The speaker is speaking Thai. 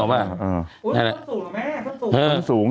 อุ๊ยช่วงสูงเหรอแม่ช่วงสูง